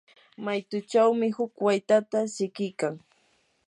maytuchawmi huk waytata siqikan.